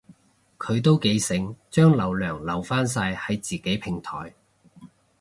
佢都幾醒，將流量留返晒喺自己平台